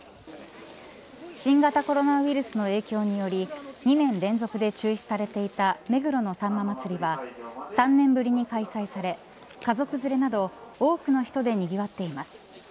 新型コロナウイルスの影響により２年連続で中止されていた目黒のさんま祭が３年ぶりに開催され家族連れなど多くの人でにぎわっています。